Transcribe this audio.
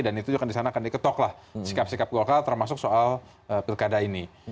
dan itu juga disana akan diketok lah sikap sikap golkar termasuk soal pilkada ini